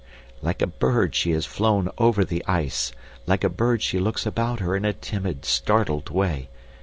Like a bird she has flown over the ice, like a bird she looks about her in a timid, startled way.